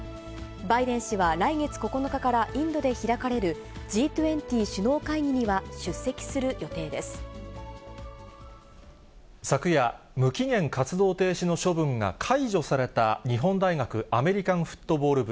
バイデン氏は来月９日からインドで開かれる、Ｇ２０首脳会議には昨夜、無期限活動停止の処分が解除された日本大学アメリカンフットボール部。